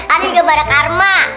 ane kemana karma